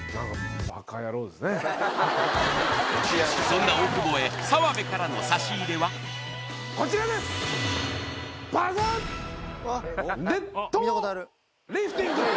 そんな大久保へ澤部からの差し入れはパシャ！